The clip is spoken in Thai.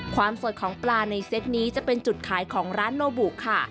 ความสดของปลาในเซตนี้จะเป็นจุดขายของร้านโนบุค่ะ